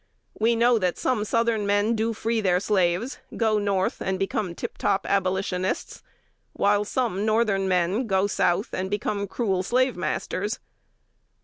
We know that some Southern men do free their slaves, go North, and become tip top Abolitionists; while some Northern men go South, and become cruel slave masters.